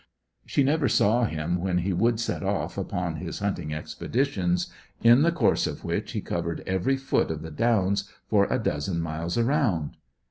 She never saw him when he would set off upon his hunting expeditions, in the course of which he covered every foot of the Downs for a dozen miles around.